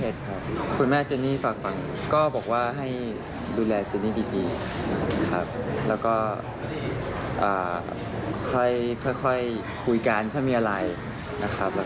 ดูแลเจนี่ดีแล้วก็ค่อยคุยกันถ้ามีอะไรนะครับ